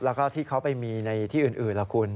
เราก็ที่เขามีในที่อื่นแหละคุณ